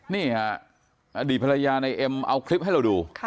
นี่ค่ะอดีตภรรยาในเอ็มเอาคลิปให้เราดู